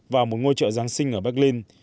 vào một ngôi chợ giáng sinh ở berlin